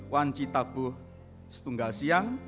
wanci tabuh setunggal siang